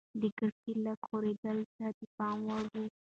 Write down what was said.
د کړکۍ لږ ښورېدل د ده پام واړاوه.